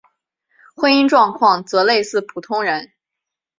婚姻状况则类似普通人。